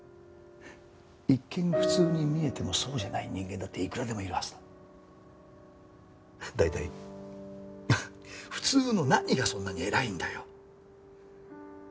一見普通に見えてもそうじゃない人間だっていくらでもいるはずだ。大体普通の何がそんなに偉いんだよ？